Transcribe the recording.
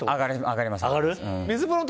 上がります。